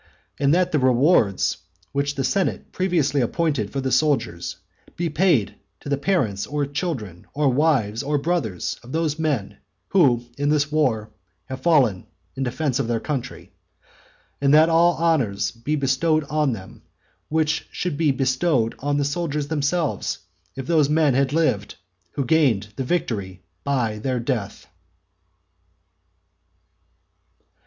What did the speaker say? And that the rewards which the senate previously appointed for the soldiers, be paid to the parents or children, or wives or brothers of those men who in this war have fallen in defence of their country; and that all honours be bestowed on them which should have been bestowed on the soldiers themselves if those men had lived who gained the victory by their death."